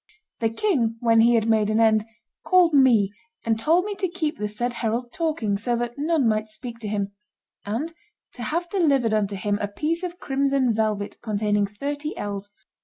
The king, when he had made an end, called me and told me to keep the said herald talking, so that none might speak to him, and to have delivered unto him a piece of crimson velvet containing thirty ells.